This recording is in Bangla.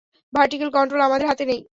ভার্টিকেল কন্ট্রোল আমাদের হাতে নেই।